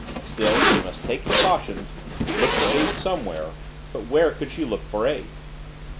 Still, she must take precautions; look for aid somewhere. But where could she look for aid?